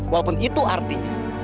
walaupun itu artinya